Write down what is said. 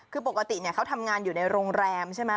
คือปกติเขาทำงานอยู่ในโรงแรมใช่ไหม